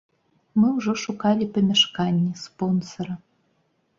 Мы ўжо шукалі памяшканне, спонсара.